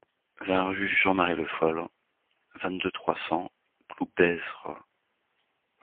vingt rue Jean-Marie Le Foll, vingt-deux, trois cents, Ploubezre